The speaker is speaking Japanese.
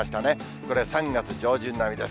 これ、３月上旬並みです。